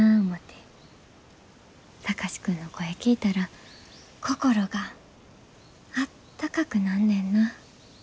貴司君の声聞いたら心があったかくなんねんな。